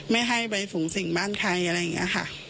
ไม่ให้ไปฝูงสิ่งบ้านใครอะไรอย่างนี้ค่ะ